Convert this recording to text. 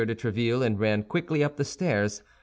de Tréville, and ran quickly up the stairs.